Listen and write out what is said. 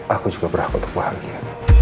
aku juga berharap untuk bahagia